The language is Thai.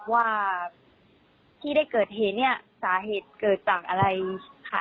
ว่าที่ได้เกิดเหตุเนี่ยสาเหตุเกิดจากอะไรค่ะ